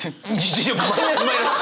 マイナスマイナス！